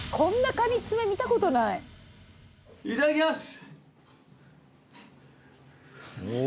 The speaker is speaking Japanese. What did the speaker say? いただきます。